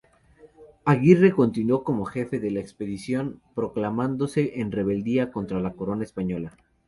Aguirre continuó como jefe de la expedición, proclamándose en rebeldía contra la corona española.